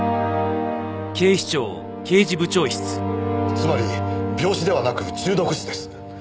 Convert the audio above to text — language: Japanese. つまり病死ではなく中毒死です。